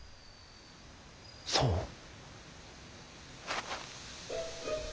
そう？